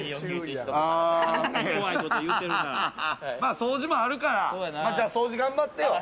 掃除もあるから掃除、頑張ってよ。